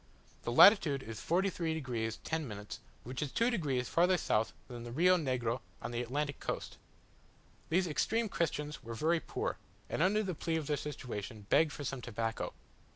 The latitude is 43 degs. 10', which is two degrees farther south than the Rio Negro on the Atlantic coast. These extreme Christians were very poor, and, under the plea of their situation, begged for some tobacco.